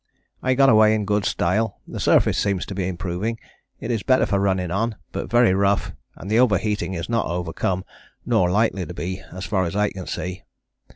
I got away in good style, the surface seems to be improving, it is better for running on but very rough and the overheating is not overcome nor likely to be as far as I can see.